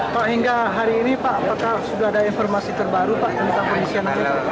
pak hingga hari ini pak apakah sudah ada informasi terbaru pak yang dikatakan